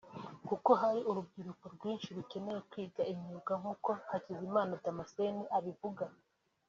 kuko hari urubyiruko rwinshi rukeneye kwiga imyuga nk’uko Hakizimana Damascene abivuga